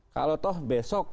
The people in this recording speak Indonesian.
kalau toh besok